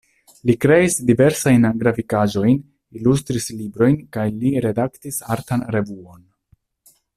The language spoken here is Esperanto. Li kreis diversajn grafikaĵojn, ilustris librojn kaj li redaktis artan revuon.